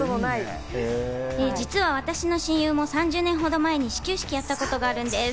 実は私の親友も３０年ほど前に始球式をやったことがあるんです。